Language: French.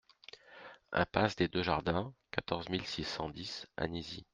Impasse des Deux Jardins, quatorze mille six cent dix Anisy